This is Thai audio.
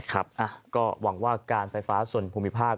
ครับก็หวังว่าการไฟฟ้าส่วนภูมิภาค